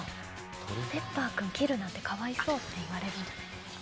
「ペッパーくん切るなんて可哀想」って言われるんじゃないですか？